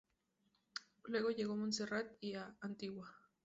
Luego llegó a Montserrat y a Antigua.